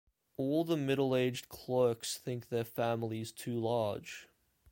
All the middle-aged clerks think their families too large..